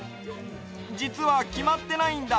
じつはきまってないんだ。